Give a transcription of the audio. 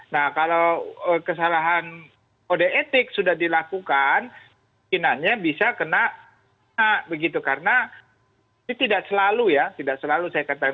nah kalau kesalahan kode etik sudah dilakukan mungkinannya bisa kena begitu karena ini tidak selalu ya tidak selalu saya katakan